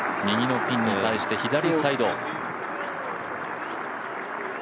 右のピンに対して左サイド。